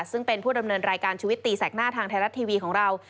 ซึ่งเป็นผู้ดำเนินรายการชุวิตตีแสกหน้าทางไทยรัฐทีวีของเรา